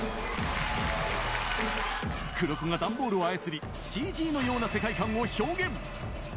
黒子が段ボールを操り、ＣＧのような世界観を表現。